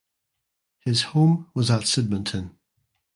His home was at Sydmonton.